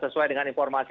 sesuai dengan informasi